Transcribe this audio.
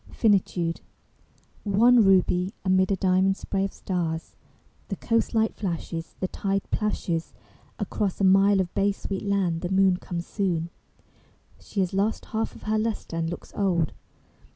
FINITUDE I One ruby, amid a diamond spray of stars, The coast light flashes; The tide plashes, Across a mile of bay sweet land the moon Comes soon: She has lost half of her lustre and looks old.